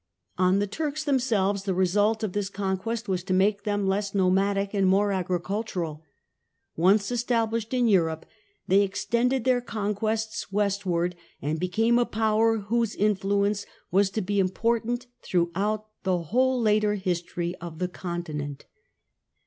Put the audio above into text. On the Turks themselves the result of this conquest was to make them less nomadic and more agricultural. Once established in Europe they ex tended their conquests westward, and became a power whose influence was to be important throughout the whole later history of the Continent.